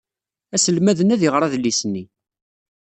Aselmad-nni ad iɣer adlis-nni.